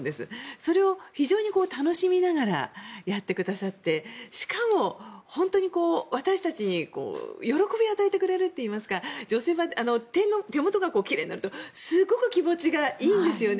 それを非常に楽しみながらやってくださってしかも、本当に私たちに喜びを与えてくれるといいますか女性は手元が奇麗になるとすごく気持ちがいいんですよね。